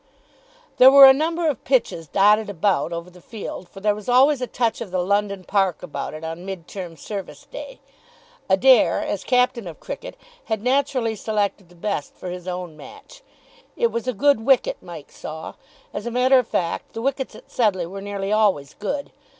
There were a number of pitches dotted about over the field, for there was always a touch of the London Park about it on Mid term Service day. Adair, as captain of cricket, had naturally selected the best for his own match. It was a good wicket, Mike saw. As a matter of fact the wickets at Sedleigh were nearly always good.